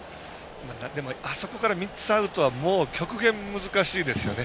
でも、あそこから３つアウトはもう極限、難しいですよね。